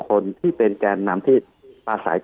คุณหมอประเมินสถานการณ์บรรยากาศนอกสภาหน่อยได้ไหมคะ